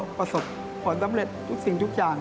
และประสบความสำเร็จทุกอย่าง